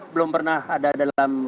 belum pernah ada dalam